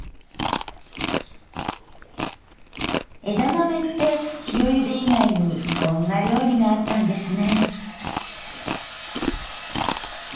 枝豆って塩ゆで以外にこんな料理があったんですね。